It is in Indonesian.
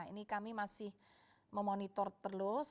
ini kami masih memonitor terus